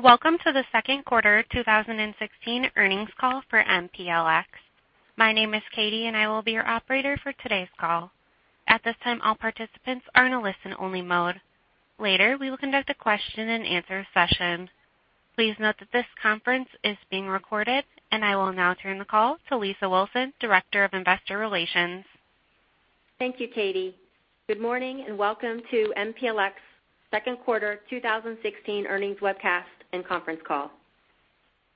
Welcome to the second quarter 2016 earnings call for MPLX. My name is Katie and I will be your operator for today's call. At this time, all participants are in a listen-only mode. Later, we will conduct a question and answer session. Please note that this conference is being recorded. I will now turn the call to Lisa Wilson, Director of Investor Relations. Thank you, Katie. Good morning and welcome to MPLX second quarter 2016 earnings webcast and conference call.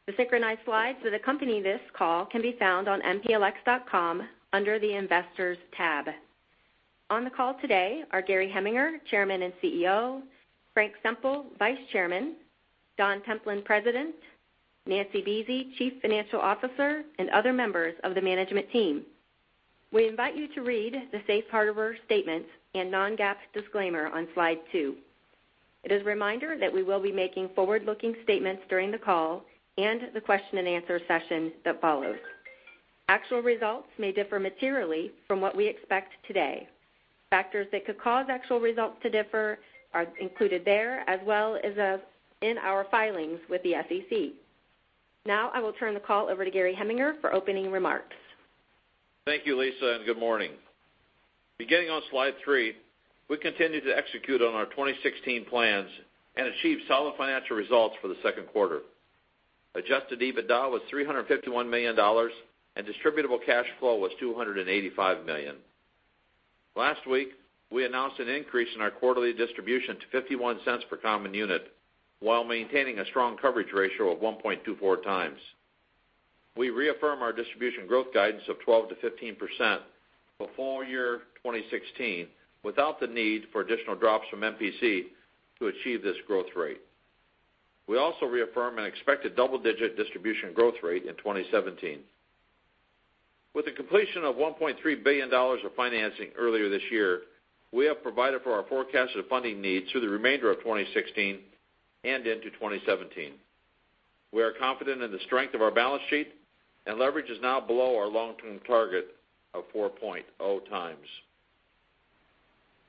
The synchronized slides that accompany this call can be found on mplx.com under the Investors tab. On the call today are Gary Heminger, Chairman and CEO; Frank Semple, Vice Chairman; Don Templin, President; Nancy Buese, Chief Financial Officer; and other members of the management team. We invite you to read the safe harbor statement and non-GAAP disclaimer on slide two. It is a reminder that we will be making forward-looking statements during the call and the question and answer session that follows. Actual results may differ materially from what we expect today. Factors that could cause actual results to differ are included there, as well as in our filings with the SEC. Now I will turn the call over to Gary Heminger for opening remarks. Thank you, Lisa. Good morning. Beginning on slide three, we continue to execute on our 2016 plans and achieve solid financial results for the second quarter. Adjusted EBITDA was $351 million, and distributable cash flow was $285 million. Last week, we announced an increase in our quarterly distribution to $0.51 per common unit, while maintaining a strong coverage ratio of 1.24 times. We reaffirm our distribution growth guidance of 12%-15% for full year 2016, without the need for additional drops from MPC to achieve this growth rate. We also reaffirm an expected double-digit distribution growth rate in 2017. With the completion of $1.3 billion of financing earlier this year, we have provided for our forecasted funding needs through the remainder of 2016 and into 2017. We are confident in the strength of our balance sheet. Leverage is now below our long-term target of 4.0 times.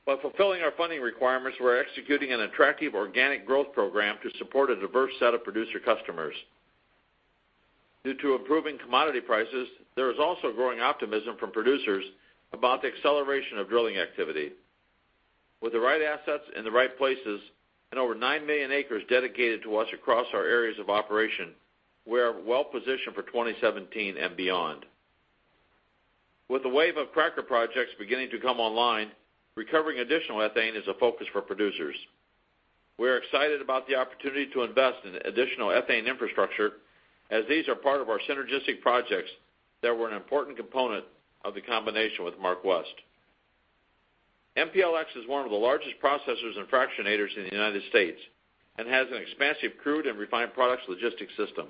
While fulfilling our funding requirements, we're executing an attractive organic growth program to support a diverse set of producer customers. Due to improving commodity prices, there is also growing optimism from producers about the acceleration of drilling activity. With the right assets in the right places and over 9 million acres dedicated to us across our areas of operation, we are well-positioned for 2017 and beyond. With the wave of cracker projects beginning to come online, recovering additional ethane is a focus for producers. We are excited about the opportunity to invest in additional ethane infrastructure, as these are part of our synergistic projects that were an important component of the combination with MarkWest. MPLX is one of the largest processors and fractionators in the United States and has an expansive crude and refined products logistics system.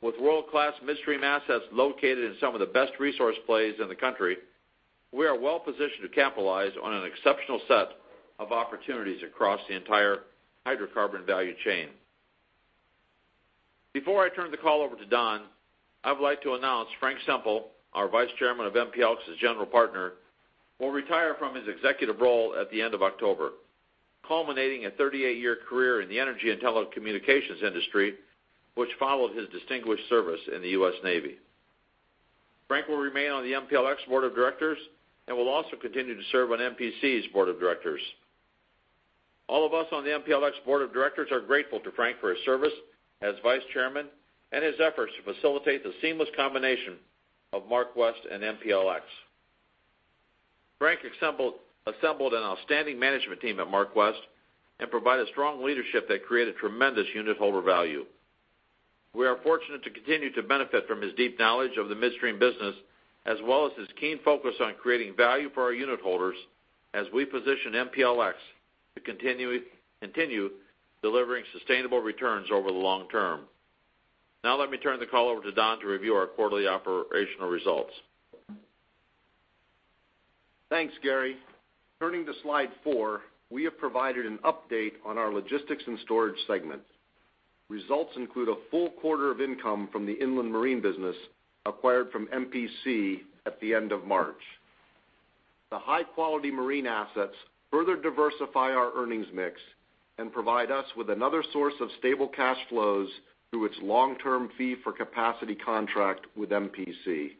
With world-class midstream assets located in some of the best resource plays in the country, we are well-positioned to capitalize on an exceptional set of opportunities across the entire hydrocarbon value chain. Before I turn the call over to Don, I would like to announce Frank Semple, our Vice Chairman of MPLX as General Partner, will retire from his executive role at the end of October, culminating a 38-year career in the energy and telecommunications industry, which followed his distinguished service in the U.S. Navy. Frank will remain on the MPLX Board of Directors and will also continue to serve on MPC's Board of Directors. All of us on the MPLX Board of Directors are grateful to Frank for his service as Vice Chairman and his efforts to facilitate the seamless combination of MarkWest and MPLX. Frank assembled an outstanding management team at MarkWest and provided strong leadership that created tremendous unit holder value. We are fortunate to continue to benefit from his deep knowledge of the midstream business, as well as his keen focus on creating value for our unit holders as we position MPLX to continue delivering sustainable returns over the long term. Let me turn the call over to Don to review our quarterly operational results. Thanks, Gary. Turning to slide four, we have provided an update on our logistics and storage segment. Results include a full quarter of income from the inland marine business acquired from MPC at the end of March. The high-quality marine assets further diversify our earnings mix and provide us with another source of stable cash flows through its long-term fee-for-capacity contract with MPC.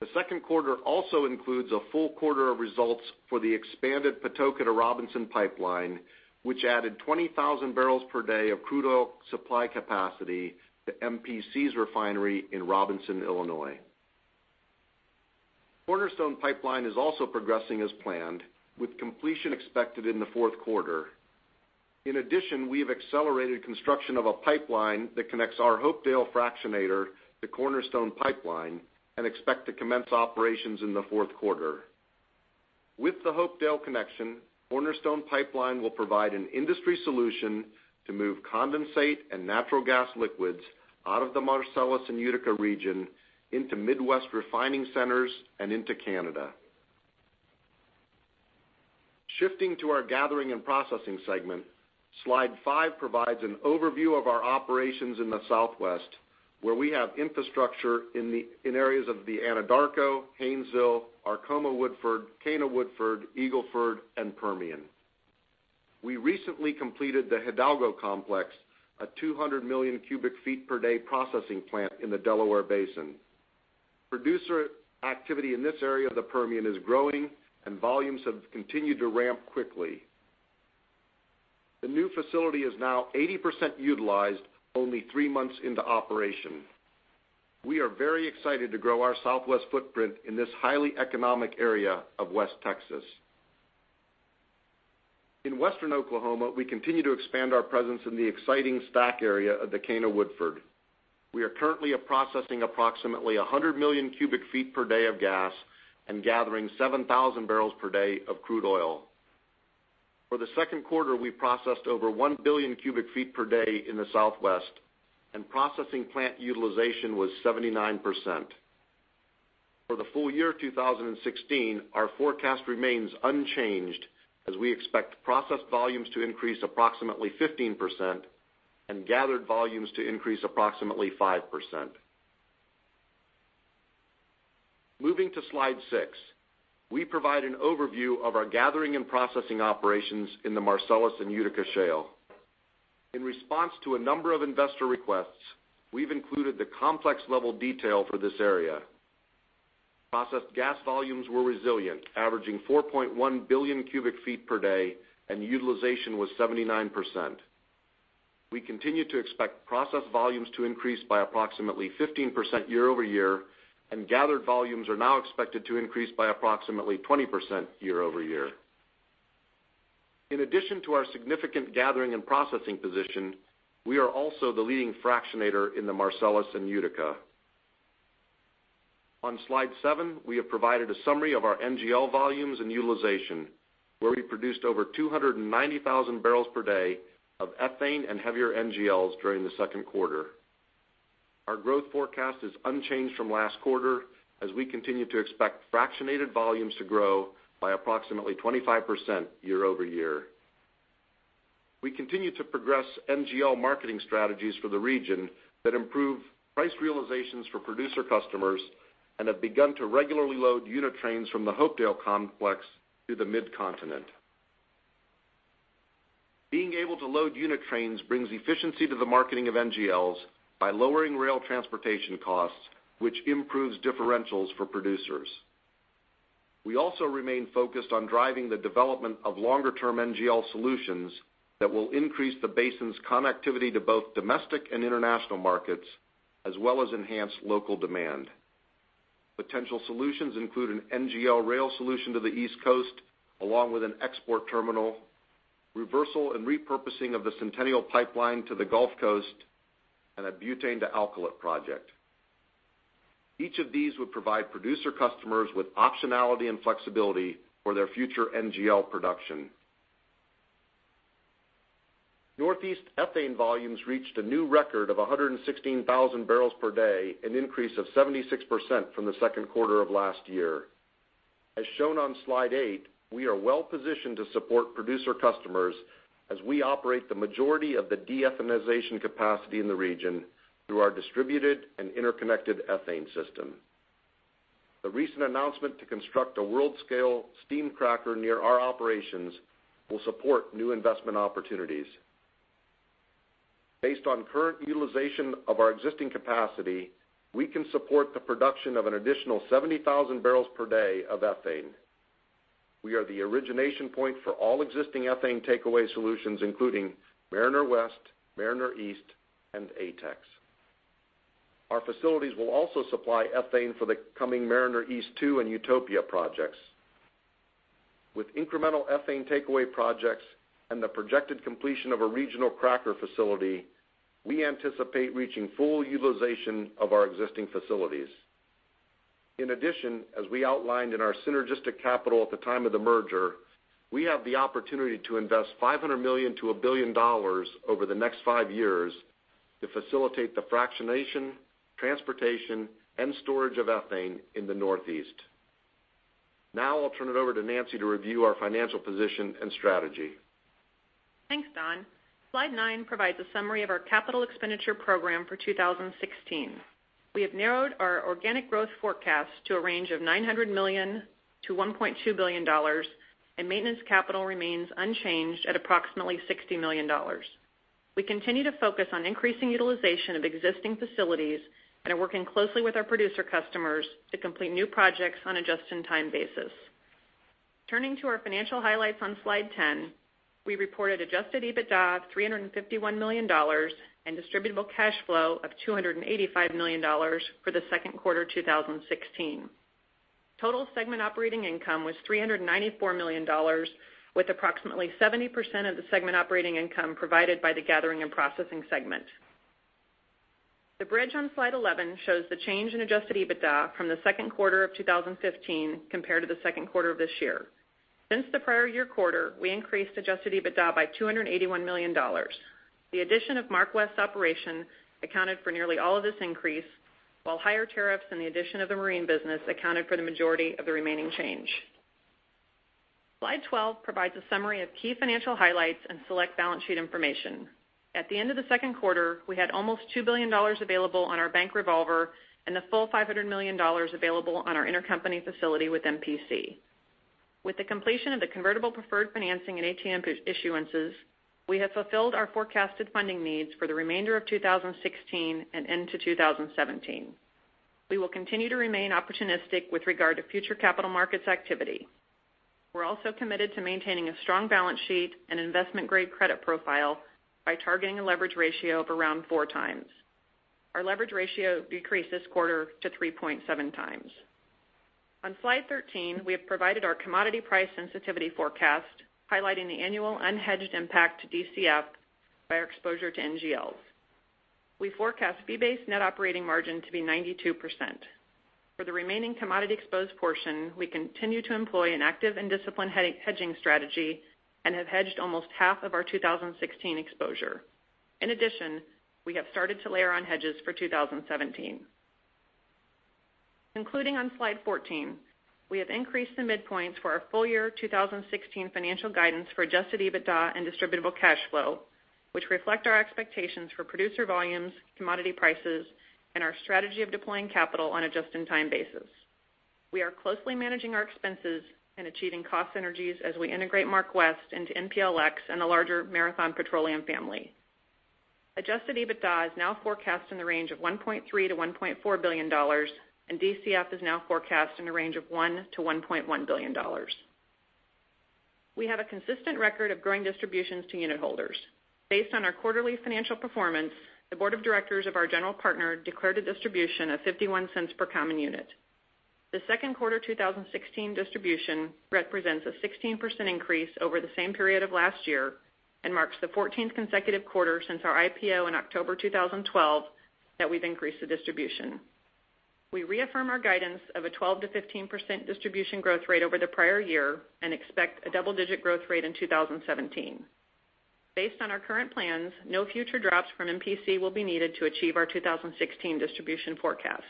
The second quarter also includes a full quarter of results for the expanded Patoka to Robinson pipeline, which added 20,000 barrels per day of crude oil supply capacity to MPC's refinery in Robinson, Illinois. Cornerstone Pipeline is also progressing as planned, with completion expected in the fourth quarter. In addition, we have accelerated construction of a pipeline that connects our Hopedale fractionator to Cornerstone Pipeline and expect to commence operations in the fourth quarter. With the Hopedale connection, Cornerstone Pipeline will provide an industry solution to move condensate and natural gas liquids out of the Marcellus and Utica region into Midwest refining centers and into Canada. Shifting to our gathering and processing segment, slide five provides an overview of our operations in the Southwest. Where we have infrastructure in areas of the Anadarko, Haynesville, Arkoma Woodford, Cana-Woodford, Eagle Ford, and Permian. We recently completed the Hidalgo complex, a 200 million cubic feet per day processing plant in the Delaware Basin. Producer activity in this area of the Permian is growing, and volumes have continued to ramp quickly. The new facility is now 80% utilized only three months into operation. We are very excited to grow our Southwest footprint in this highly economic area of West Texas. In western Oklahoma, we continue to expand our presence in the exciting STACK area of the Cana-Woodford. We are currently processing approximately 100 million cubic feet per day of gas and gathering 7,000 barrels per day of crude oil. For the second quarter, we processed over 1 billion cubic feet per day in the Southwest, and processing plant utilization was 79%. For the full year 2016, our forecast remains unchanged, as we expect processed volumes to increase approximately 15% and gathered volumes to increase approximately 5%. Moving to slide six, we provide an overview of our gathering and processing operations in the Marcellus and Utica Shale. In response to a number of investor requests, we've included the complex level detail for this area. Processed gas volumes were resilient, averaging 4.1 billion cubic feet per day, and utilization was 79%. We continue to expect processed volumes to increase by approximately 15% year over year, and gathered volumes are now expected to increase by approximately 20% year over year. In addition to our significant gathering and processing position, we are also the leading fractionator in the Marcellus and Utica. On slide seven, we have provided a summary of our NGL volumes and utilization, where we produced over 290,000 barrels per day of ethane and heavier NGLs during the second quarter. Our growth forecast is unchanged from last quarter, as we continue to expect fractionated volumes to grow by approximately 25% year over year. We continue to progress NGL marketing strategies for the region that improve price realizations for producer customers and have begun to regularly load unit trains from the Hopedale complex to the mid-continent. Being able to load unit trains brings efficiency to the marketing of NGLs by lowering rail transportation costs, which improves differentials for producers. We also remain focused on driving the development of longer-term NGL solutions that will increase the basin's connectivity to both domestic and international markets, as well as enhance local demand. Potential solutions include an NGL rail solution to the East Coast, along with an export terminal, reversal and repurposing of the Centennial Pipeline to the Gulf Coast, and a butane-to-alkylate project. Each of these would provide producer customers with optionality and flexibility for their future NGL production. Northeast ethane volumes reached a new record of 116,000 barrels per day, an increase of 76% from the second quarter of last year. As shown on slide eight, we are well-positioned to support producer customers as we operate the majority of the de-ethanization capacity in the region through our distributed and interconnected ethane system. The recent announcement to construct a world-scale steam cracker near our operations will support new investment opportunities. Based on current utilization of our existing capacity, we can support the production of an additional 70,000 barrels per day of ethane. We are the origination point for all existing ethane takeaway solutions, including Mariner West, Mariner East, and ATEX. Our facilities will also supply ethane for the coming Mariner East 2 and Utopia projects. With incremental ethane takeaway projects and the projected completion of a regional cracker facility, we anticipate reaching full utilization of our existing facilities. In addition, as we outlined in our synergistic capital at the time of the merger, we have the opportunity to invest $500 million to $1 billion over the next five years to facilitate the fractionation, transportation, and storage of ethane in the Northeast. Now I'll turn it over to Nancy to review our financial position and strategy. Thanks, Don. Slide nine provides a summary of our capital expenditure program for 2016. We have narrowed our organic growth forecast to a range of $900 million to $1.2 billion, and maintenance capital remains unchanged at approximately $60 million. We continue to focus on increasing utilization of existing facilities and are working closely with our producer customers to complete new projects on a just-in-time basis. Turning to our financial highlights on slide 10, we reported adjusted EBITDA of $351 million and distributable cash flow of $285 million for the second quarter 2016. Total segment operating income was $394 million, with approximately 70% of the segment operating income provided by the gathering and processing segment. The bridge on slide 11 shows the change in adjusted EBITDA from the second quarter of 2015 compared to the second quarter of this year. Since the prior year quarter, we increased adjusted EBITDA by $281 million. The addition of MarkWest operation accounted for nearly all of this increase, while higher tariffs and the addition of the marine business accounted for the majority of the remaining change. Slide 12 provides a summary of key financial highlights and select balance sheet information. At the end of the second quarter, we had almost $2 billion available on our bank revolver and the full $500 million available on our intercompany facility with MPC. With the completion of the convertible preferred financing and ATM issuances, we have fulfilled our forecasted funding needs for the remainder of 2016 and into 2017. We will continue to remain opportunistic with regard to future capital markets activity. We are also committed to maintaining a strong balance sheet and investment-grade credit profile by targeting a leverage ratio of around 4x. Our leverage ratio decreased this quarter to 3.7x. On slide 13, we have provided our commodity price sensitivity forecast, highlighting the annual unhedged impact to DCF by our exposure to NGLs. We forecast fee-based net operating margin to be 92%. For the remaining commodity-exposed portion, we continue to employ an active and disciplined hedging strategy and have hedged almost half of our 2016 exposure. In addition, we have started to layer on hedges for 2017. Concluding on slide 14, we have increased the midpoints for our full-year 2016 financial guidance for adjusted EBITDA and distributable cash flow, which reflect our expectations for producer volumes, commodity prices, and our strategy of deploying capital on a just-in-time basis. We are closely managing our expenses and achieving cost synergies as we integrate MarkWest into MPLX and the larger Marathon Petroleum family. Adjusted EBITDA is now forecast in the range of $1.3 to $1.4 billion, and DCF is now forecast in the range of $1 to $1.1 billion. We have a consistent record of growing distributions to unit holders. Based on our quarterly financial performance, the board of directors of our general partner declared a distribution of $0.51 per common unit. The second quarter 2016 distribution represents a 16% increase over the same period of last year and marks the 14th consecutive quarter since our IPO in October 2012 that we have increased the distribution. We reaffirm our guidance of a 12%-15% distribution growth rate over the prior year and expect a double-digit growth rate in 2017. Based on our current plans, no future drops from MPC will be needed to achieve our 2016 distribution forecast.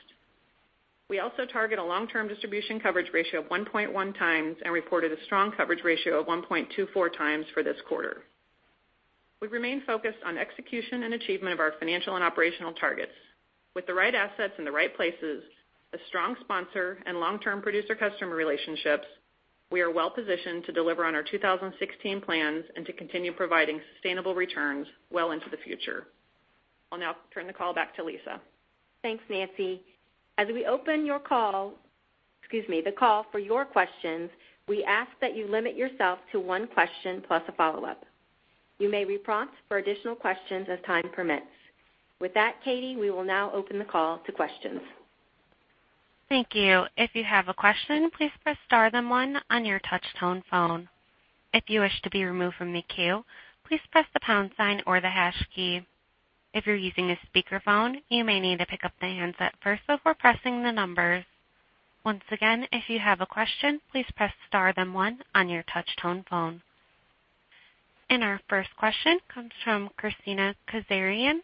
We also target a long-term distribution coverage ratio of 1.1 times and reported a strong coverage ratio of 1.24 times for this quarter. We remain focused on execution and achievement of our financial and operational targets. With the right assets in the right places, a strong sponsor, and long-term producer-customer relationships, we are well-positioned to deliver on our 2016 plans and to continue providing sustainable returns well into the future. I'll now turn the call back to Lisa. Thanks, Nancy. As we open the call for your questions, we ask that you limit yourself to one question plus a follow-up. You may be prompted for additional questions as time permits. With that, Katie, we will now open the call to questions. Thank you. If you have a question, please press star then one on your touch-tone phone. If you wish to be removed from the queue, please press the pound sign or the hash key. If you're using a speakerphone, you may need to pick up the handset first before pressing the numbers. Once again, if you have a question, please press star then one on your touch-tone phone. Our first question comes from Kristina Kazarian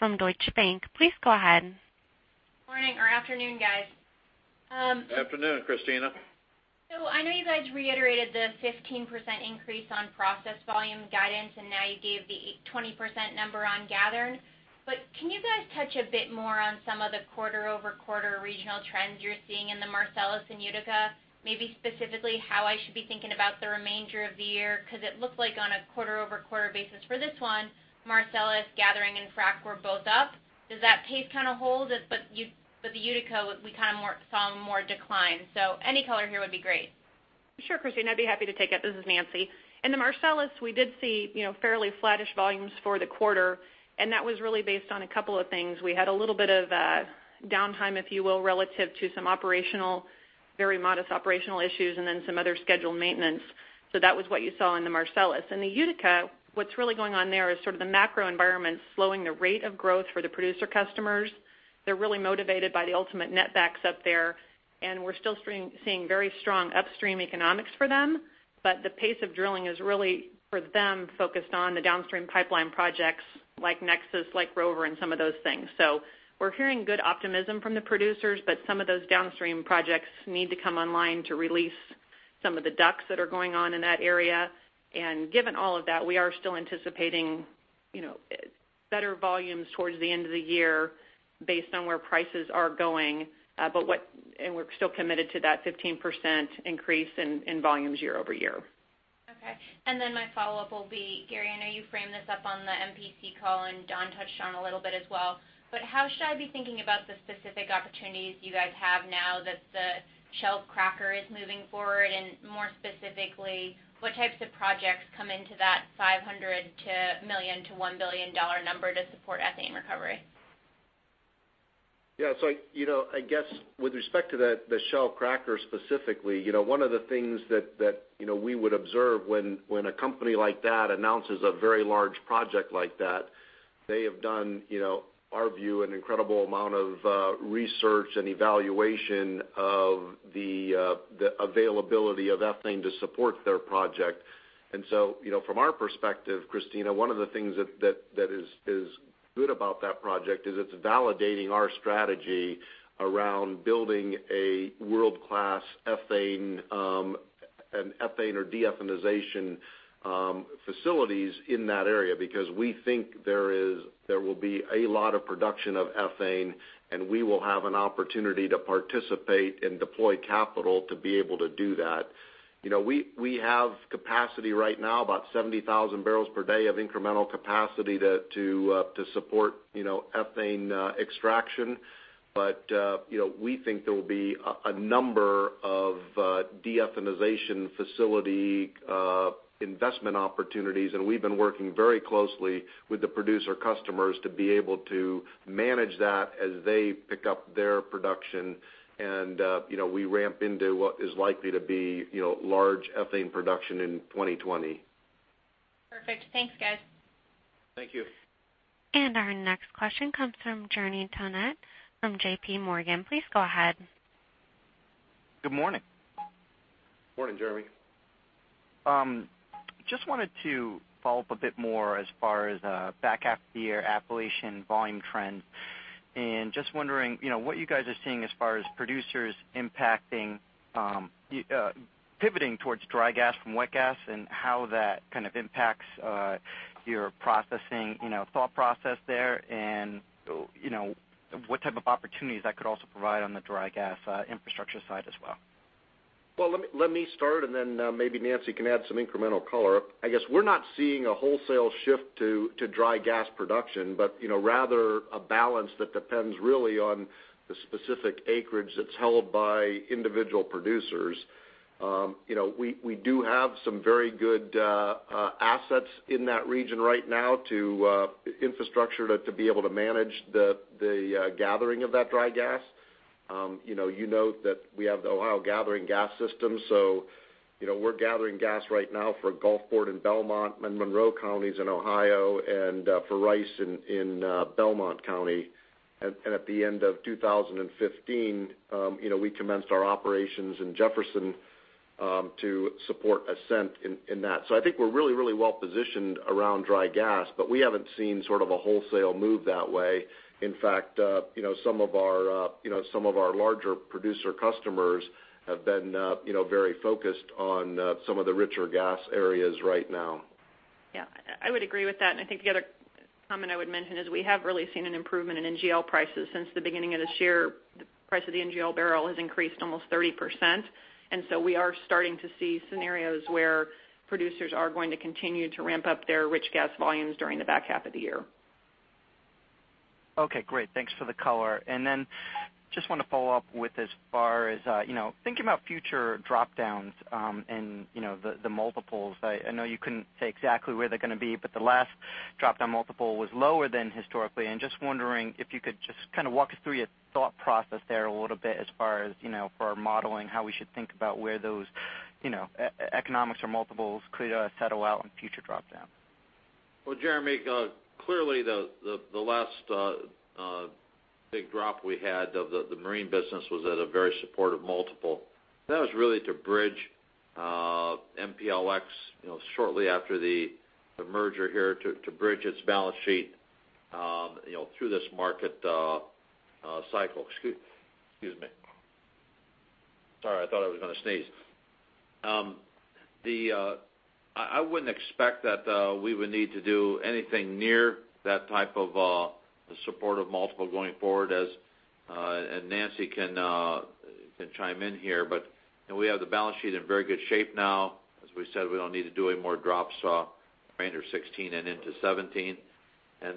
from Deutsche Bank. Please go ahead. Morning or afternoon, guys. Afternoon, Kristina. I know you guys reiterated the 15% increase on process volume guidance, and now you gave the 20% number on gathering. Can you guys touch a bit more on some of the quarter-over-quarter regional trends you're seeing in the Marcellus and Utica? Maybe specifically how I should be thinking about the remainder of the year, because it looked like on a quarter-over-quarter basis for this one, Marcellus gathering and frack were both up. Does that pace kind of hold? The Utica, we kind of saw more decline. Any color here would be great. Sure, Kristina, I'd be happy to take it. This is Nancy. In the Marcellus, we did see fairly flattish volumes for the quarter, and that was really based on a couple of things. We had a little bit of downtime, if you will, relative to some very modest operational issues and then some other scheduled maintenance. That was what you saw in the Marcellus. In the Utica, what's really going on there is sort of the macro environment slowing the rate of growth for the producer customers. They're really motivated by the ultimate netbacks up there, and we're still seeing very strong upstream economics for them. The pace of drilling is really, for them, focused on the downstream pipeline projects like NEXUS, like Rover, and some of those things. We're hearing good optimism from the producers, some of those downstream projects need to come online to release some of the DUCs that are going on in that area. Given all of that, we are still anticipating better volumes towards the end of the year based on where prices are going, and we're still committed to that 15% increase in volumes year-over-year. My follow-up will be, Gary, I know you framed this up on the MPC call, Don touched on a little bit as well. How should I be thinking about the specific opportunities you guys have now that the Shell cracker is moving forward? More specifically, what types of projects come into that $500 million to $1 billion number to support ethane recovery? Yeah. I guess with respect to the Shell cracker specifically, one of the things that we would observe when a company like that announces a very large project like that, they have done, our view, an incredible amount of research and evaluation of the availability of ethane to support their project. From our perspective, Kristina, one of the things that is good about that project is it's validating our strategy around building a world-class ethane or de-ethanization facilities in that area, because we think there will be a lot of production of ethane, and we will have an opportunity to participate and deploy capital to be able to do that. We have capacity right now, about 70,000 barrels per day of incremental capacity to support ethane extraction. We think there will be a number of de-ethanization facility investment opportunities, and we've been working very closely with the producer customers to be able to manage that as they pick up their production and we ramp into what is likely to be large ethane production in 2020. Perfect. Thanks, guys. Thank you. Our next question comes from Jeremy Tonet from J.P. Morgan. Please go ahead. Good morning. Morning, Jeremy. Just wanted to follow up a bit more as far as back half of the year Appalachian volume trends, and just wondering what you guys are seeing as far as producers pivoting towards dry gas from wet gas and how that kind of impacts your thought process there and what type of opportunities that could also provide on the dry gas infrastructure side as well. Well, let me start, then maybe Nancy can add some incremental color. I guess we're not seeing a wholesale shift to dry gas production, but rather a balance that depends really on the specific acreage that's held by individual producers. We do have some very good assets in that region right now to infrastructure to be able to manage the gathering of that dry gas. You know that we have the Ohio Gathering Gas System, so we're gathering gas right now for Gulfport and Belmont, Monroe Counties in Ohio and for Rice in Belmont County. At the end of 2015, we commenced our operations in Jefferson to support Ascent in that. I think we're really well positioned around dry gas, but we haven't seen sort of a wholesale move that way. In fact, some of our larger producer customers have been very focused on some of the richer gas areas right now. Yeah, I would agree with that. I think the other comment I would mention is we have really seen an improvement in NGL prices since the beginning of this year. The price of the NGL barrel has increased almost 30%. We are starting to see scenarios where producers are going to continue to ramp up their rich gas volumes during the back half of the year. Okay, great. Thanks for the color. Then just want to follow up with as far as thinking about future drop-downs and the multiples. I know you couldn't say exactly where they're going to be, but the last drop-down multiple was lower than historically. Just wondering if you could just kind of walk us through your thought process there a little bit as far as for our modeling, how we should think about where those economics or multiples could settle out in future drop-down. Well, Jeremy, clearly the last big drop we had of the marine business was at a very supportive multiple. That was really to bridge MPLX shortly after the merger here to bridge its balance sheet through this market cycle. Excuse me. Sorry, I thought I was going to sneeze. I wouldn't expect that we would need to do anything near that type of supportive multiple going forward, Nancy can chime in here, but we have the balance sheet in very good shape now. As we said, we don't need to do any more drops 2016 and into 2017.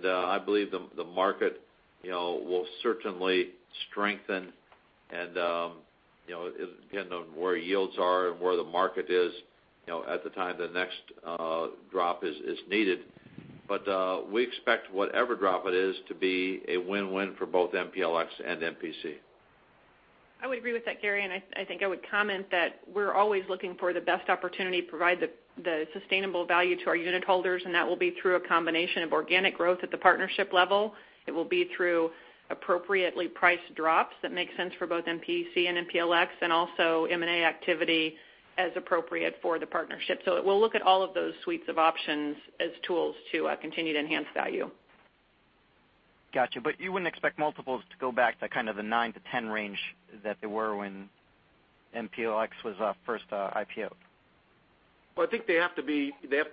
I believe the market will certainly strengthen and depend on where yields are and where the market is at the time the next drop is needed. We expect whatever drop it is to be a win-win for both MPLX and MPC. I would agree with that, Gary, I think I would comment that we're always looking for the best opportunity to provide the sustainable value to our unit holders, that will be through a combination of organic growth at the partnership level. It will be through appropriately priced drops that make sense for both MPC and MPLX and also M&A activity as appropriate for the partnership. We'll look at all of those suites of options as tools to continue to enhance value. Got you. You wouldn't expect multiples to go back to kind of the 9-10 range that they were when MPLX was first IPO'd? Well, I think they have to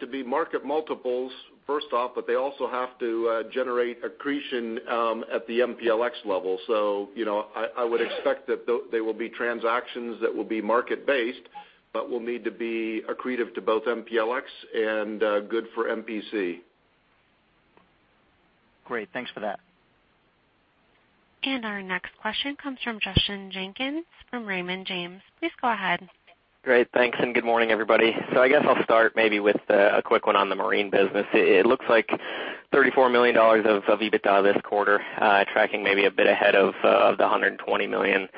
be market multiples first off, they also have to generate accretion at the MPLX level. I would expect that they will be transactions that will be market-based, but will need to be accretive to both MPLX and good for MPC. Great. Thanks for that. Our next question comes from Justin Jenkins from Raymond James. Please go ahead. Great. Thanks, and good morning, everybody. I guess I'll start maybe with a quick one on the marine business. It looks like $34 million of EBITDA this quarter tracking maybe a bit ahead of the $120 million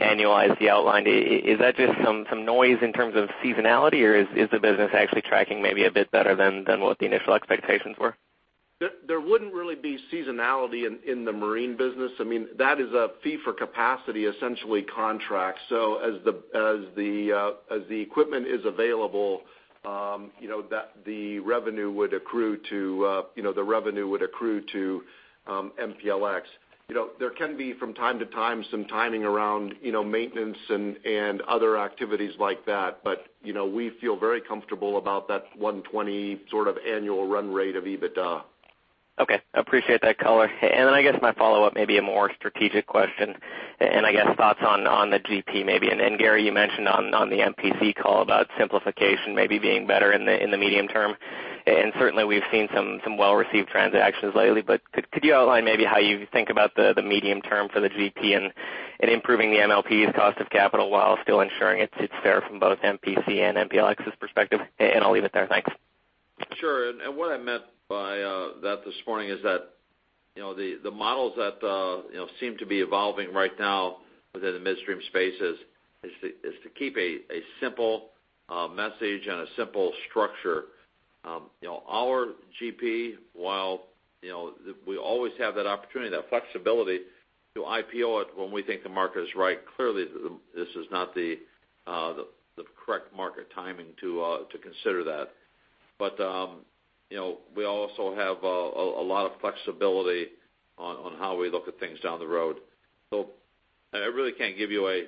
annualized you outlined. Is that just some noise in terms of seasonality, or is the business actually tracking maybe a bit better than what the initial expectations were? There wouldn't really be seasonality in the marine business. That is a fee-for-capacity, essentially contract. As the equipment is available, the revenue would accrue to MPLX. There can be, from time to time, some timing around maintenance and other activities like that, but we feel very comfortable about that 120 sort of annual run rate of EBITDA. Okay. Appreciate that color. Then I guess my follow-up, maybe a more strategic question, and I guess thoughts on the GP, maybe. Gary, you mentioned on the MPC call about simplification maybe being better in the medium term, and certainly we've seen some well-received transactions lately. Could you outline maybe how you think about the medium term for the GP and improving the MLP's cost of capital while still ensuring it's fair from both MPC and MPLX's perspective? I'll leave it there. Thanks. Sure. What I meant by that this morning is that the models that seem to be evolving right now within the midstream space is to keep a simple message and a simple structure. Our GP, while we always have that opportunity, that flexibility to IPO it when we think the market is right, clearly this is not the correct market timing to consider that. We also have a lot of flexibility on how we look at things down the road. I really can't give you a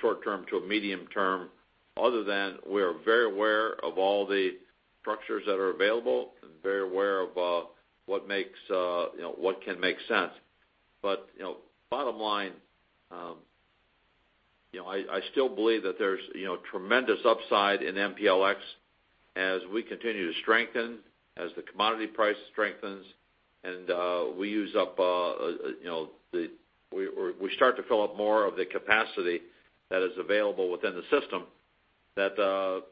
short term to a medium term other than we are very aware of all the structures that are available and very aware of what can make sense. Bottom line, I still believe that there's tremendous upside in MPLX as we continue to strengthen, as the commodity price strengthens, and we start to fill up more of the capacity that is available within the system, that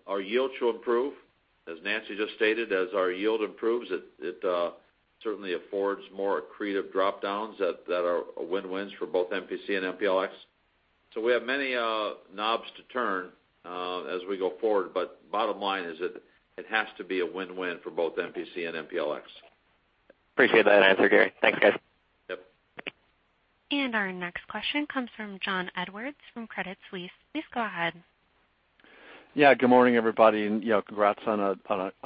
our yields should improve. As Nancy just stated, as our yield improves, it certainly affords more accretive drop-downs that are win-wins for both MPC and MPLX. We have many knobs to turn as we go forward. Bottom line is that it has to be a win-win for both MPC and MPLX. Appreciate that answer, Gary. Thanks, guys. Yep. Our next question comes from John Edwards from Credit Suisse. Please go ahead. Good morning, everybody, congrats on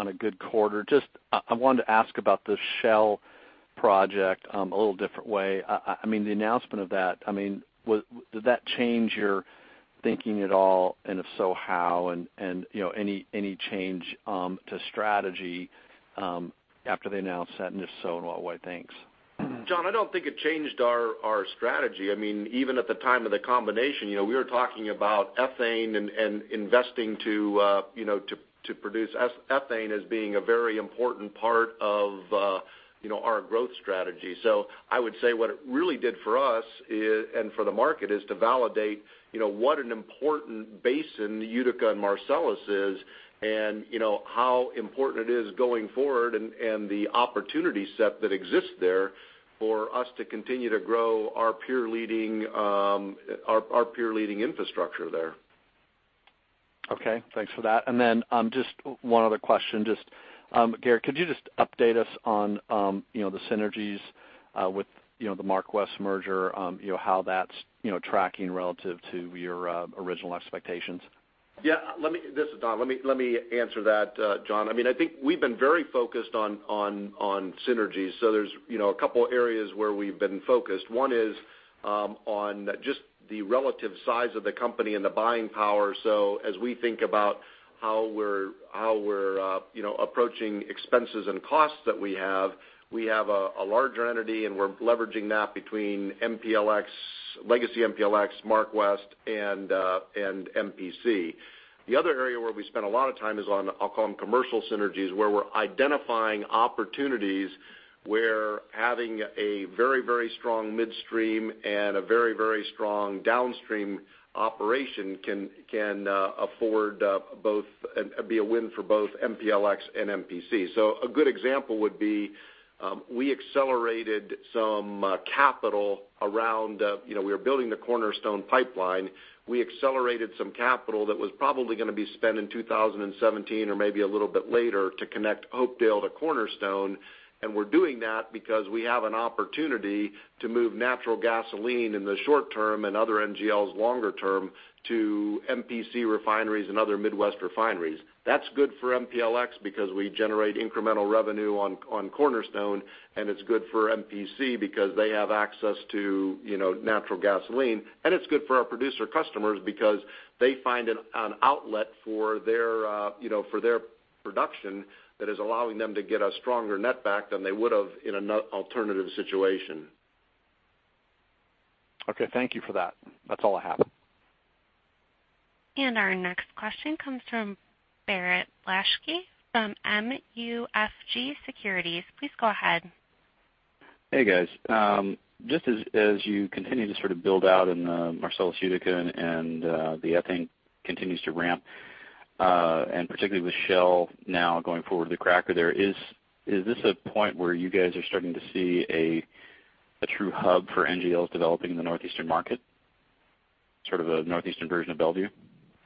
a good quarter. I wanted to ask about the Shell project a little different way. The announcement of that, did that change your thinking at all? If so, how? Any change to strategy after they announced that, and if so, in what way? Thanks. John, I don't think it changed our strategy. Even at the time of the combination, we were talking about ethane and investing to produce ethane as being a very important part of our growth strategy. I would say what it really did for us and for the market is to validate what an important basin Utica and Marcellus is, and how important it is going forward, and the opportunity set that exists there for us to continue to grow our peer-leading infrastructure there. Okay. Thanks for that. Just one other question. Just, Gary, could you just update us on the synergies with the MarkWest merger, how that's tracking relative to your original expectations? Yeah. This is Don. Let me answer that, John. I think we've been very focused on synergies. There's a couple areas where we've been focused. One is on just the relative size of the company and the buying power. As we think about how we're approaching expenses and costs that we have, we have a larger entity, and we're leveraging that between legacy MPLX, MarkWest, and MPC. The other area where we spend a lot of time is on, I'll call them commercial synergies, where we're identifying opportunities where having a very strong midstream and a very strong downstream operation can be a win for both MPLX and MPC. A good example would be we accelerated some capital we were building the Cornerstone Pipeline. We accelerated some capital that was probably going to be spent in 2017 or maybe a little bit later to connect Hopedale to Cornerstone, we're doing that because we have an opportunity to move natural gasoline in the short term and other NGLs longer term to MPC refineries and other Midwest refineries. That's good for MPLX because we generate incremental revenue on Cornerstone, it's good for MPC because they have access to natural gasoline, it's good for our producer customers because they find an outlet for their production that is allowing them to get a stronger net back than they would have in an alternative situation. Okay. Thank you for that. That's all I have. Our next question comes from Barrett Blaschke from MUFG Securities. Please go ahead. Hey, guys. Just as you continue to sort of build out in the Marcellus Utica and the ethane continues to ramp, particularly with Shell now going forward with the cracker there, is this a point where you guys are starting to see a true hub for NGLs developing in the Northeastern market? Sort of a Northeastern version of Belvieu?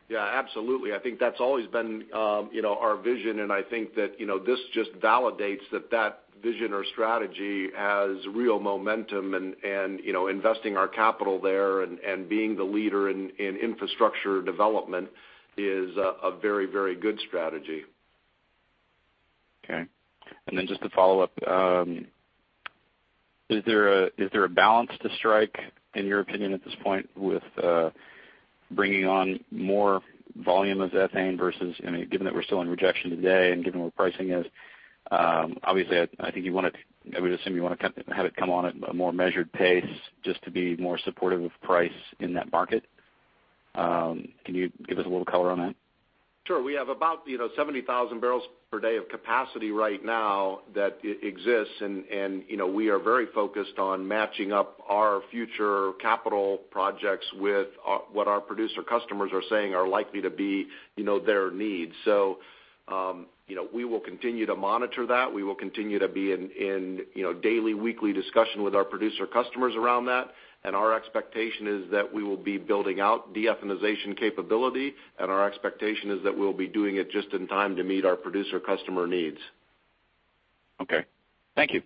Yeah, absolutely. I think that's always been our vision, and I think that this just validates that vision or strategy has real momentum and investing our capital there and being the leader in infrastructure development is a very good strategy. Okay. Just to follow up, is there a balance to strike, in your opinion, at this point with bringing on more volume of ethane versus given that we're still in rejection today and given where pricing is, obviously, I would assume you want to have it come on at a more measured pace just to be more supportive of price in that market. Can you give us a little color on that? Sure. We have about 70,000 barrels per day of capacity right now that exists. We are very focused on matching up our future capital projects with what our producer customers are saying are likely to be their needs. We will continue to monitor that. We will continue to be in daily, weekly discussion with our producer customers around that. Our expectation is that we will be building out de-ethanization capability. Our expectation is that we'll be doing it just in time to meet our producer customer needs. Okay. Thank you.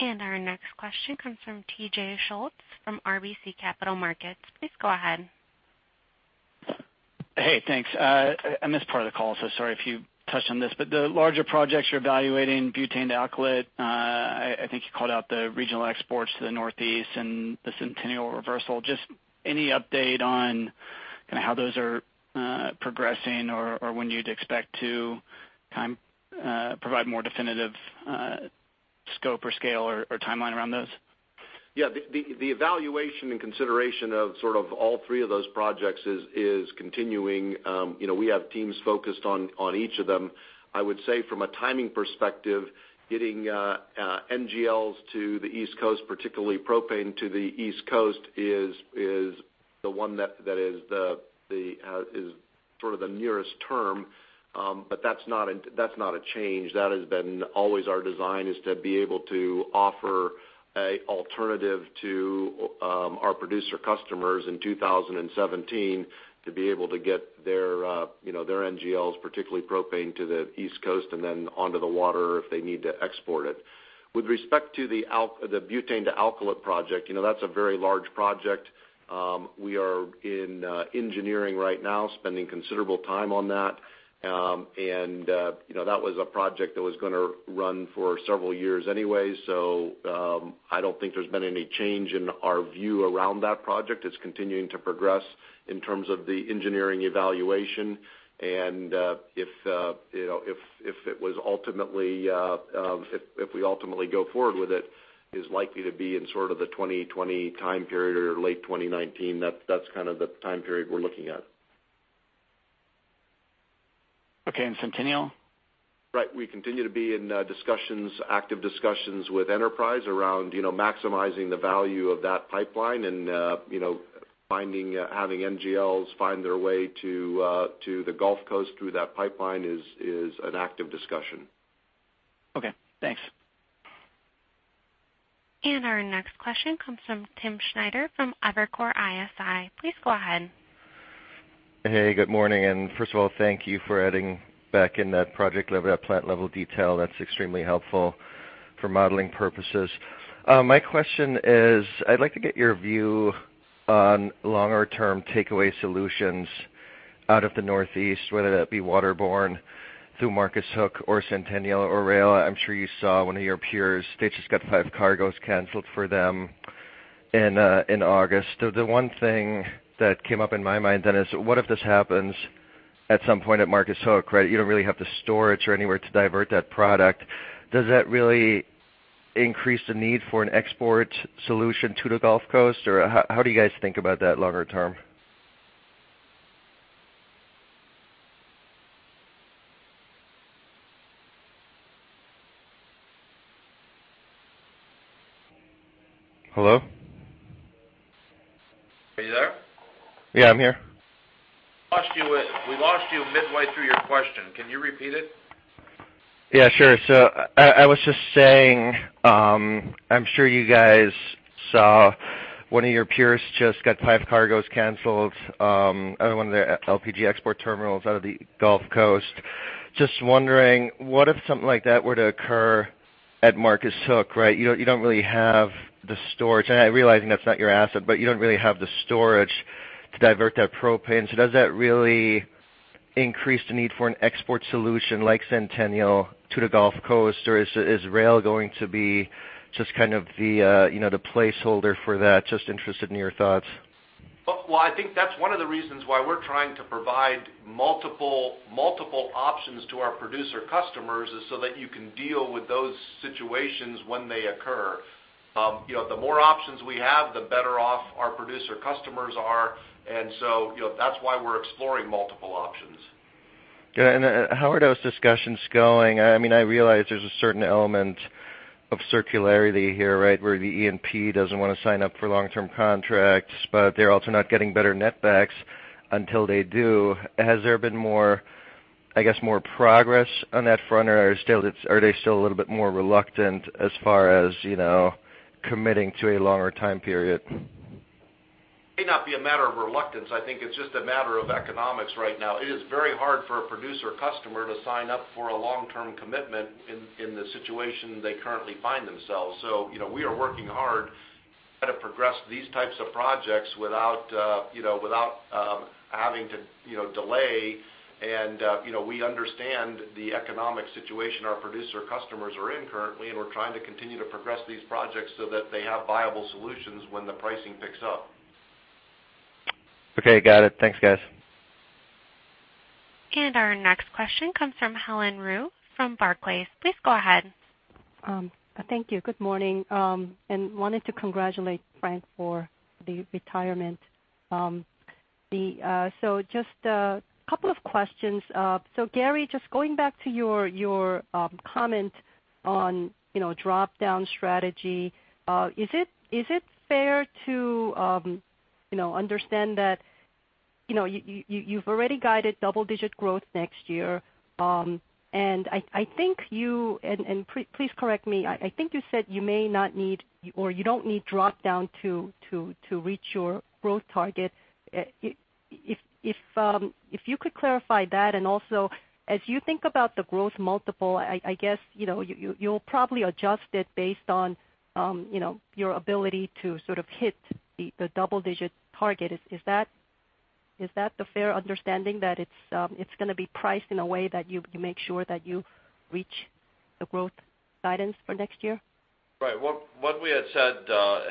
Our next question comes from TJ Schultz from RBC Capital Markets. Please go ahead. Hey, thanks. I missed part of the call, so sorry if you touched on this, but the larger projects you're evaluating, butane to alkylate, I think you called out the regional exports to the Northeast and the Centennial reversal. Just any update on how those are progressing or when you'd expect to provide more definitive scope or scale or timeline around those? Yeah. The evaluation and consideration of sort of all three of those projects is continuing. We have teams focused on each of them. I would say from a timing perspective, getting NGLs to the East Coast, particularly propane to the East Coast, is the one that is sort of the nearest term. That's not a change. That has been always our design, is to be able to offer an alternative to our producer customers in 2017 to be able to get their NGLs, particularly propane to the East Coast and then onto the water if they need to export it. With respect to the butane-to-alkylate project, that's a very large project. We are in engineering right now, spending considerable time on that. That was a project that was going to run for several years anyway. I don't think there's been any change in our view around that project. It's continuing to progress in terms of the engineering evaluation. If we ultimately go forward with it, is likely to be in sort of the 2020 time period or late 2019. That's kind of the time period we're looking at. Okay, Centennial? Right. We continue to be in active discussions with Enterprise around maximizing the value of that pipeline and having NGLs find their way to the Gulf Coast through that pipeline is an active discussion. Okay, thanks. Our next question comes from Timm Schneider from Evercore ISI. Please go ahead. Hey, good morning. First of all, thank you for adding back in that project-level, that plant-level detail. That is extremely helpful for modeling purposes. My question is, I would like to get your view on longer-term takeaway solutions out of the Northeast, whether that be waterborne through Marcus Hook or Centennial or rail. I am sure you saw one of your peers, they just got five cargoes canceled for them in August. The one thing that came up in my mind then is, what if this happens at some point at Marcus Hook, right? You do not really have the storage or anywhere to divert that product. Does that really increase the need for an export solution to the Gulf Coast? How do you guys think about that longer term? Hello? Are you there? Yeah, I'm here. We lost you midway through your question. Can you repeat it? Sure. I was just saying, I'm sure you guys saw one of your peers just got 5 cargoes canceled, one of their LPG export terminals out of the Gulf Coast. Just wondering, what if something like that were to occur at Marcus Hook, right? You don't really have the storage, and I realize that's not your asset, but you don't really have the storage to divert that propane. Does that really increase the need for an export solution like Centennial to the Gulf Coast, or is rail going to be just kind of the placeholder for that? Just interested in your thoughts. Well, I think that's one of the reasons why we're trying to provide multiple options to our producer customers, is so that you can deal with those situations when they occur. The more options we have, the better off our producer customers are, that's why we're exploring multiple options. Yeah, how are those discussions going? I realize there's a certain element of circularity here, right? Where the E&P doesn't want to sign up for long-term contracts, but they're also not getting better net backs until they do. Has there been more I guess, more progress on that front? Or are they still a little bit more reluctant as far as committing to a longer time period? May not be a matter of reluctance. I think it's just a matter of economics right now. It is very hard for a producer customer to sign up for a long-term commitment in the situation they currently find themselves. We are working hard to progress these types of projects without having to delay. We understand the economic situation our producer customers are in currently, and we're trying to continue to progress these projects so that they have viable solutions when the pricing picks up. Okay. Got it. Thanks, guys. Our next question comes from Helen Ryoo from Barclays. Please go ahead. Thank you. Good morning. Wanted to congratulate Frank for the retirement. Just a couple of questions. Gary, just going back to your comment on drop-down strategy. Is it fair to understand that you've already guided double-digit growth next year? Please correct me, I think you said you may not need, or you don't need drop-down to reach your growth target. If you could clarify that. Also, as you think about the growth multiple, I guess, you'll probably adjust it based on your ability to sort of hit the double-digit target. Is that the fair understanding, that it's going to be priced in a way that you make sure that you reach the growth guidance for next year? Right. What we had said,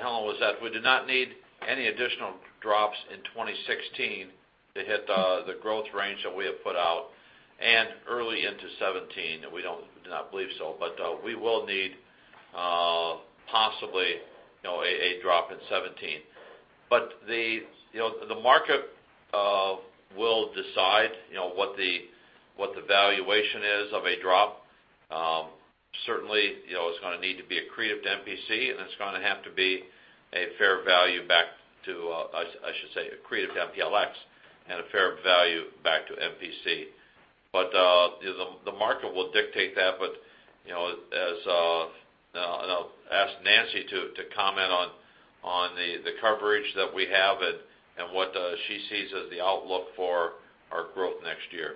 Helen, was that we do not need any additional drops in 2016 to hit the growth range that we have put out and early into 2017. We do not believe so, but we will need possibly a drop in 2017. The market will decide what the valuation is of a drop. Certainly, it's going to need to be accretive to MPC, and it's going to have to be a fair value back to I should say, accretive to MPLX and a fair value back to MPC. The market will dictate that. I'll ask Nancy to comment on the coverage that we have and what she sees as the outlook for our growth next year.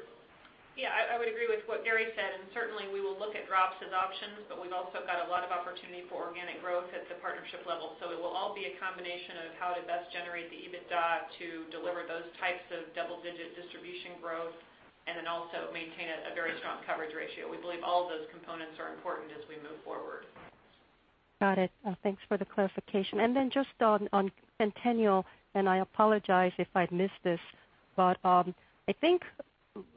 I would agree with what Gary said. Certainly, we will look at drops as options, but we've also got a lot of opportunity for organic growth at the partnership level. It will all be a combination of how to best generate the EBITDA to deliver those types of double-digit distribution growth and also maintain a very strong coverage ratio. We believe all of those components are important as we move forward. Got it. Thanks for the clarification. Just on Centennial, I apologize if I missed this, but I think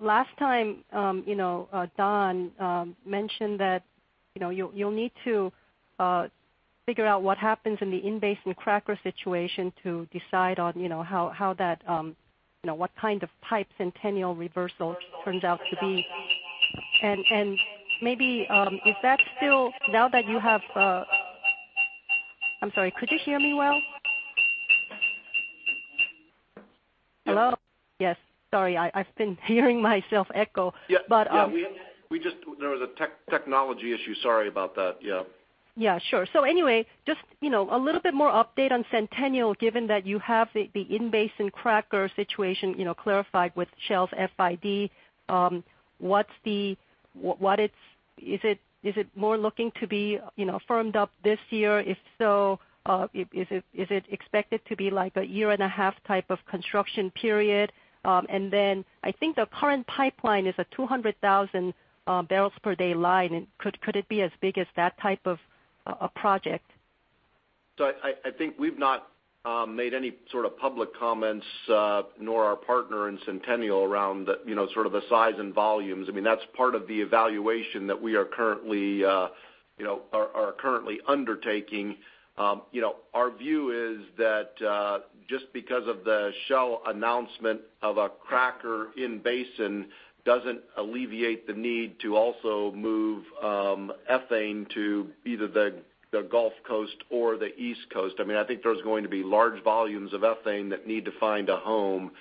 last time Don mentioned that you'll need to figure out what happens in the in-basin cracker situation to decide on what kind of type Centennial reversal turns out to be. Maybe, is that still? I'm sorry, could you hear me well? Hello? Yes. Sorry, I've been hearing myself echo. Yeah. There was a technology issue. Sorry about that. Yeah. Sure. Anyway, just a little bit more update on Centennial Pipeline, given that you have the in-basin cracker situation clarified with Shell's FID. Is it more looking to be firmed up this year? If so, is it expected to be like a year-and-a-half type of construction period? Then I think the current pipeline is a 200,000 barrels per day line, and could it be as big as that type of a project? I think we've not made any sort of public comments, nor our partner in Centennial Pipeline around the sort of the size and volumes. That's part of the evaluation that we are currently undertaking. Our view is that just because of the Shell announcement of a cracker in basin, doesn't alleviate the need to also move ethane to either the Gulf Coast or the East Coast. I think there's going to be large volumes of ethane that need to find a home.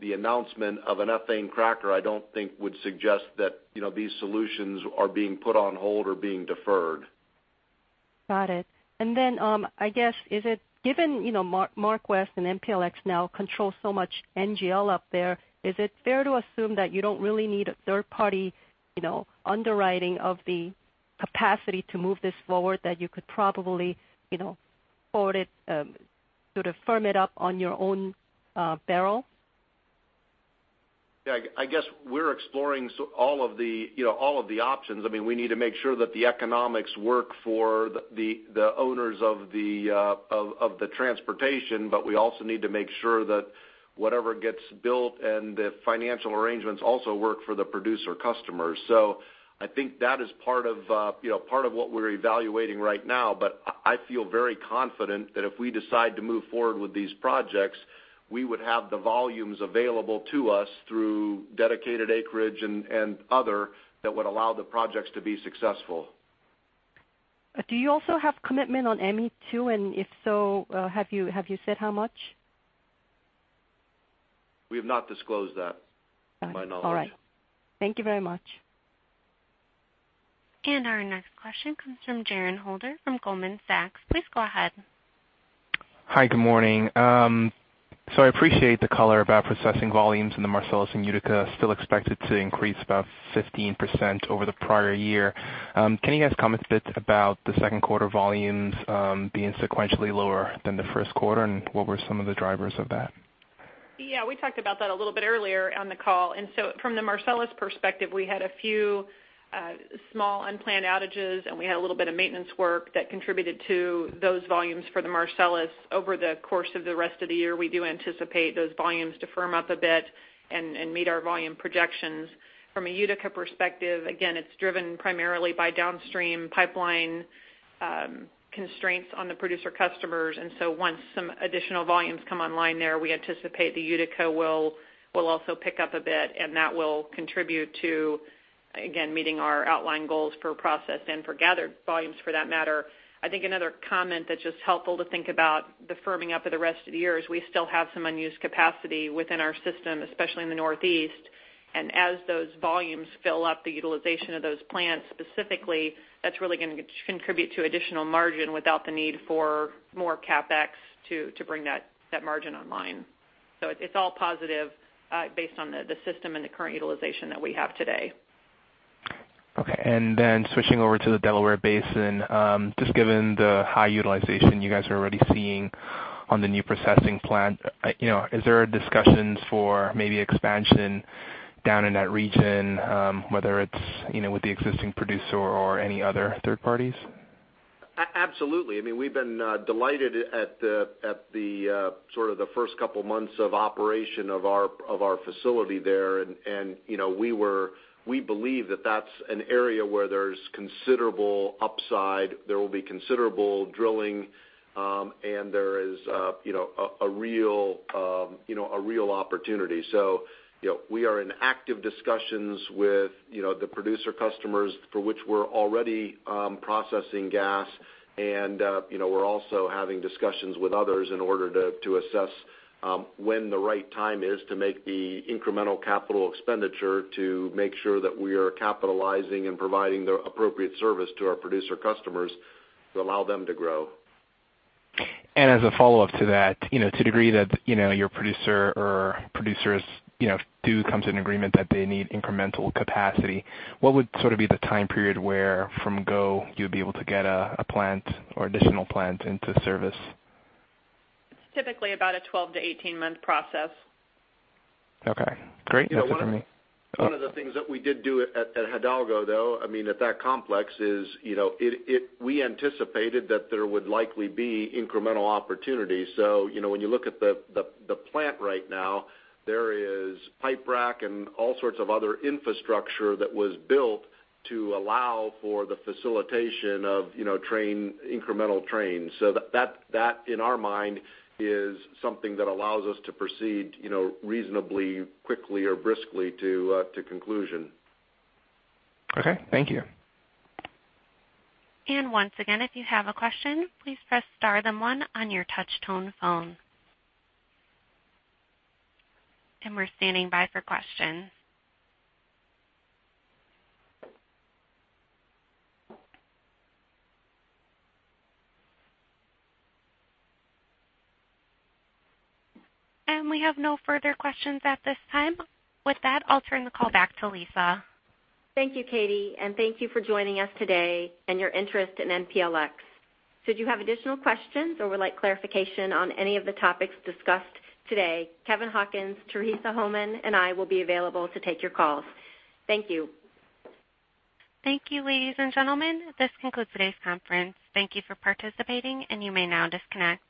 The announcement of an ethane cracker, I don't think would suggest that these solutions are being put on hold or being deferred. Got it. Then, I guess, given MarkWest and MPLX now control so much NGL up there, is it fair to assume that you don't really need a third party underwriting of the capacity to move this forward, that you could probably forward it, sort of firm it up on your own barrel? I guess we're exploring all of the options. We need to make sure that the economics work for the owners of the transportation, but we also need to make sure that whatever gets built and the financial arrangements also work for the producer customers. I think that is part of what we're evaluating right now. I feel very confident that if we decide to move forward with these projects, we would have the volumes available to us through dedicated acreage and other that would allow the projects to be successful. Do you also have commitment on ME2? If so, have you said how much? We have not disclosed that to my knowledge. All right. Thank you very much. Our next question comes from Jerren Holder from Goldman Sachs. Please go ahead. Hi, good morning. I appreciate the color about processing volumes in the Marcellus and Utica still expected to increase about 15% over the prior year. Can you guys comment a bit about the second quarter volumes being sequentially lower than the first quarter, and what were some of the drivers of that? Yeah, we talked about that a little bit earlier on the call. From the Marcellus perspective, we had a few small unplanned outages, and we had a little bit of maintenance work that contributed to those volumes for the Marcellus. Over the course of the rest of the year, we do anticipate those volumes to firm up a bit and meet our volume projections. From a Utica perspective, again, it's driven primarily by downstream pipeline constraints on the producer customers. Once some additional volumes come online there, we anticipate the Utica will also pick up a bit, and that will contribute to, again, meeting our outlying goals for process and for gathered volumes for that matter. I think another comment that's just helpful to think about the firming up of the rest of the year is we still have some unused capacity within our system, especially in the Northeast. As those volumes fill up, the utilization of those plants specifically, that's really going to contribute to additional margin without the need for more CapEx to bring that margin online. It's all positive based on the system and the current utilization that we have today. Okay. Switching over to the Delaware Basin, just given the high utilization you guys are already seeing on the new processing plant, is there discussions for maybe expansion down in that region, whether it's with the existing producer or any other third parties? Absolutely. I mean, we've been delighted at the sort of the first couple of months of operation of our facility there. We believe that that's an area where there's considerable upside. There will be considerable drilling, and there is a real opportunity. We are in active discussions with the producer customers for which we're already processing gas. We're also having discussions with others in order to assess when the right time is to make the incremental capital expenditure to make sure that we are capitalizing and providing the appropriate service to our producer customers to allow them to grow. As a follow-up to that, to the degree that your producer or producers do come to an agreement that they need incremental capacity, what would sort of be the time period where from go you'd be able to get a plant or additional plant into service? It's typically about a 12-18-month process. Okay, great. That's it for me. One of the things that we did do at Hidalgo, though, I mean, at that complex is we anticipated that there would likely be incremental opportunities. When you look at the plant right now, there is pipe rack and all sorts of other infrastructure that was built to allow for the facilitation of incremental trains. That in our mind, is something that allows us to proceed reasonably quickly or briskly to conclusion. Okay, thank you. Once again, if you have a question, please press star then one on your touch-tone phone. We're standing by for questions. We have no further questions at this time. With that, I'll turn the call back to Lisa. Thank you, Katie, and thank you for joining us today and your interest in MPLX. Should you have additional questions or would like clarification on any of the topics discussed today, Kevin Hawkins, Teresa Homan, and I will be available to take your calls. Thank you. Thank you, ladies and gentlemen. This concludes today's conference. Thank you for participating, and you may now disconnect.